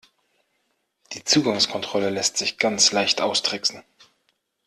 Die Zugangskontrolle lässt sich ganz leicht austricksen.